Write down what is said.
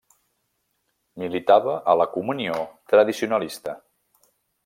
Militava a la Comunió Tradicionalista.